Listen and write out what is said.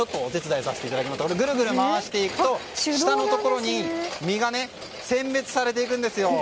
ぐるぐる回していくと下のところに実が選別されていくんですよ。